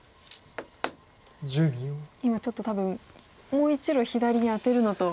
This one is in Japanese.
今ちょっと多分もう１路左にアテるのと。